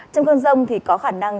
trong cơn rông thì có khả năng